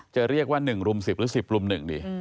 จะเรียกว่าหนึ่งรุ่มสิบหรือสิบรุ่มหนึ่งดิ